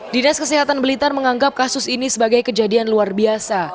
dinas kesehatan blitar menganggap kasus ini sebagai kejadian luar biasa